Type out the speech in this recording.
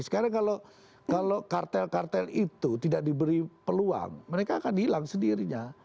sekarang kalau kartel kartel itu tidak diberi peluang mereka akan hilang sendirinya